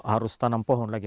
harus tanam pohon lagi